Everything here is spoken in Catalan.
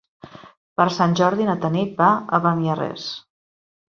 Per Sant Jordi na Tanit va a Beniarrés.